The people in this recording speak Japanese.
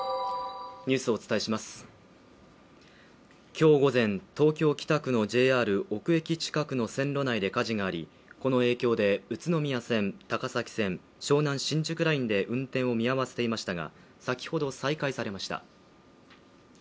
今日午前、東京・北区のＪＲ尾久駅近くの線路内で火事があり、この影響で宇都宮線、高崎線、湘南新宿ラインで運転を見合わせていましたが、先ほど再開されました。